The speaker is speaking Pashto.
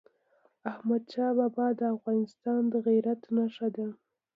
احمدشاه بابا د افغانستان د عزت نښه ده.